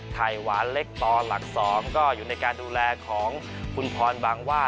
ไข่หวานเล็กต่อหลัก๒ก็อยู่ในการดูแลของคุณพรบางว่า